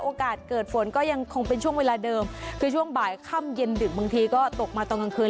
โอกาสเกิดฝนก็ยังคงเป็นช่วงเวลาเดิมคือช่วงบ่ายค่ำเย็นดึกบางทีก็ตกมาตอนกลางคืน